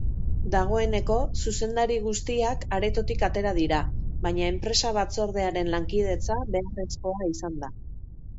Dagoeneko zuzendari guztiak aretotik atera dira, baina enpresa-batzordearen lankidetza beharrezkoa izan da.